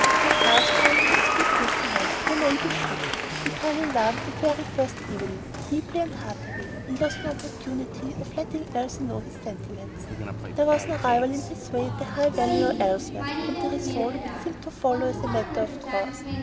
No grass grew under his feet this time, you may be sure. He fell in love the very first evening, deeply and heartily, and he lost no opportunity of letting Elsie know his sentiments. There was no rival in his way at the High Valley or elsewhere, and the result seemed to follow as a matter of course.